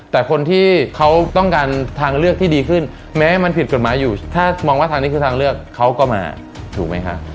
แต่คนที่เขาต้องการทางเลือกที่ดีขึ้นแม้มันผิดกฎหมายอยู่ถ้ามองว่าทางนี้คือทางเลือกเขาก็มาถูกไหมคะ